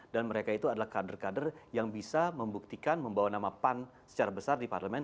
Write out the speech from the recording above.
dan mereka itu adalah kader kader yang bisa membuktikan membawa nama pan secara besar di parlemen